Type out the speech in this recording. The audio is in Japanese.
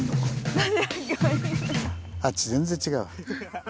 あっ全然違うわ。